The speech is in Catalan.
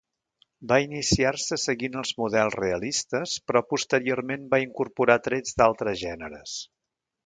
Va iniciar-se seguint els models realistes però posteriorment va incorporar trets d'altres gèneres.